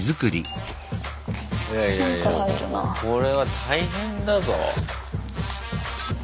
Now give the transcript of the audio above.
これは大変だぞ。